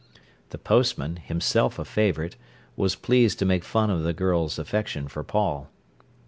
The postman, himself a favourite, was pleased to make fun of the girls' affection for Paul.